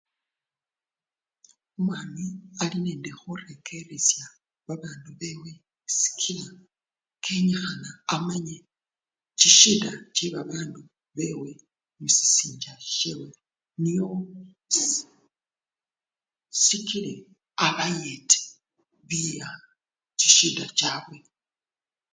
umwami ali nende khurekeresha babandu bewe sikila kenyikhana amanye chishida che babandu bewe musisinja shewe nyo siisi sikile abayete kila chishida chabwe